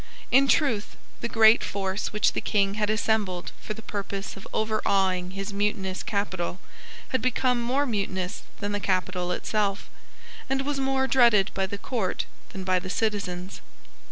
In truth, the great force which the King had assembled for the purpose of overawing his mutinous capital had become more mutinous than the capital itself; and was more dreaded by the court than by the citizens.